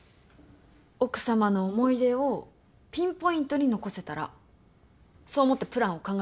奥様の思い出をピンポイントに残せたらそう思ってプランを考えました。